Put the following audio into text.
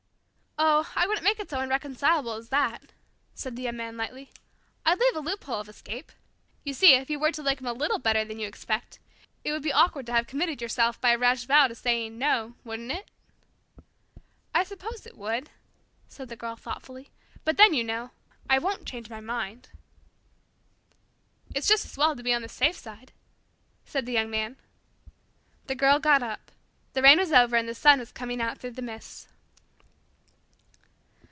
'" "Oh, I wouldn't make it so irreconcilable as that," said the Young Man lightly. "I'd leave a loophole of escape. You see, if you were to like him a little better than you expect, it would be awkward to have committed yourself by a rash vow to saying 'no,' wouldn't it?" "I suppose it would," said the Girl thoughtfully, "but then, you know, I won't change my mind." "It's just as well to be on the safe side," said the Young Man. The Girl got up. The rain was over and the sun was coming out through the mists.